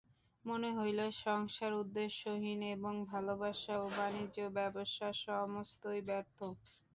মনে হইল, সংসার উদ্দেশ্যহীন এবং ভালোবাসা ও বাণিজ্যব্যবসা সমস্তই ব্যর্থ।